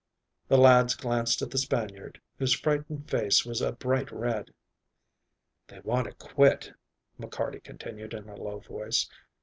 The lads glanced at the Spaniard, whose frightened face was a bright red. "They want to quit," McCarty continued in a low voice.